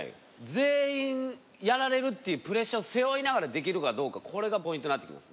全員やられるっていうプレッシャーを背負いながらできるかどうかこれがポイントになってきます。